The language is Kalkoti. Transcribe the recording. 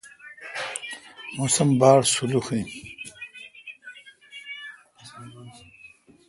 موسم باڑ سولوخ این۔